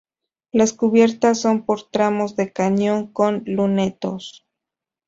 Las cubiertas son por tramos de cañón con lunetos.